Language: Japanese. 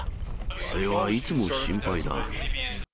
不正はいつも心配だ。